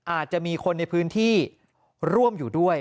อาจจะมีคนในพื้นที่ร่วมอยู่ด้วย